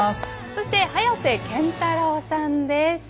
そして早瀬憲太郎さんです。